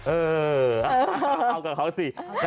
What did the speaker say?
เอากับเขาสิ